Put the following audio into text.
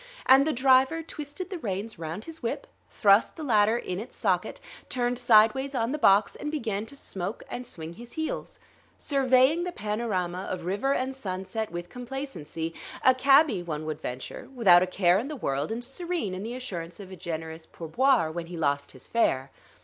And the driver twisted the reins round his whip, thrust the latter in its socket, turned sidewise on the box, and began to smoke and swing his heels, surveying the panorama of river and sunset with complacency a cabby, one would venture, without a care in the world and serene in the assurance of a generous pour boire when he lost his fare.